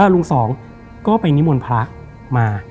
ลุงสองก็ไปนิมนต์พระมา